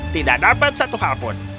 tidak dapat satu hal pun